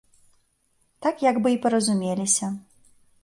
Так як бы і паразумеліся.